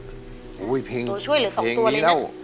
ตัวช่วยเหลือสองตัวเลยนะเพลงนี้แล้ว